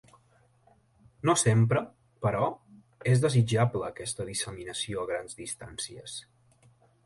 No sempre, però, és desitjable aquesta disseminació a grans distàncies.